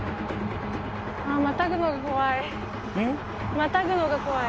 またぐのが怖い